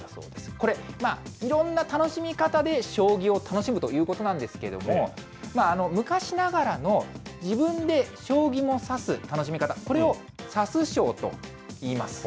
これ、いろんな楽しみ方で将棋を楽しむということなんですけれども、昔ながらの自分で将棋も指す楽しみ方、これを指す将といいます。